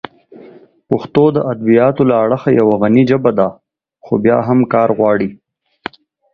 پښتو د ادبیاتو له اړخه یوه غني ژبه ده، خو بیا هم کار غواړي.